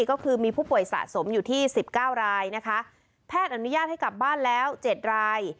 ก็คือมีผู้ป่วยสะสมอยู่ที่สิบเก้ารายนะคะแพทย์อนุญาตให้กลับบ้านแล้ว๗ราย